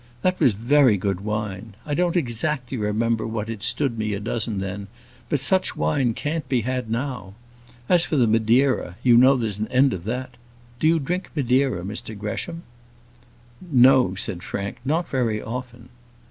That was very good wine. I don't exactly remember what it stood me a dozen then; but such wine can't be had now. As for the Madeira, you know there's an end of that. Do you drink Madeira, Mr Gresham?" "No," said Frank, "not very often."